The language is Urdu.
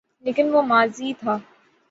لیکن وہ ماضی تھا۔